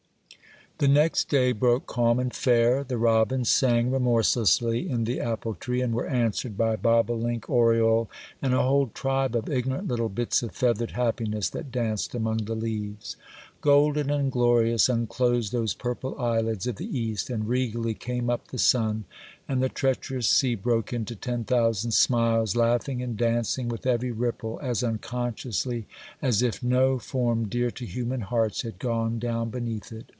THE next day broke calm and fair. The robins sang remorselessly in the apple tree, and were answered by bobolink, oriole, and a whole tribe of ignorant little bits of feathered, happiness that danced among the leaves. Golden and glorious unclosed those purple eyelids of the East, and regally came up the sun; and the treacherous sea broke into ten thousand smiles, laughing and dancing with every ripple, as unconsciously as if no form dear to human hearts had gone down beneath it.